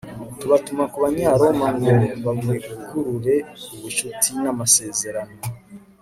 tubatuma ku banyaroma ngo bavugurure ubucuti n'amasezerano